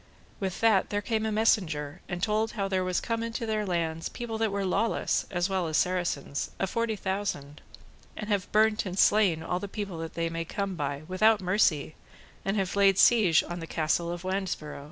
With that there came a messenger and told how there was come into their lands people that were lawless as well as Saracens, a forty thousand, and have burnt and slain all the people that they may come by, without mercy, and have laid siege on the castle of Wandesborow.